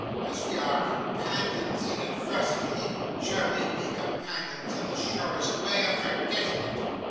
As we are companions in adversity, shall we be companions in the surest way of forgetting it?